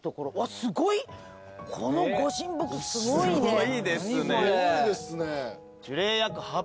すごいですね。